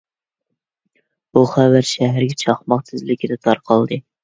بۇ خەۋەر شەھەرگە چاقماق تېزلىكىدە تارقالدى.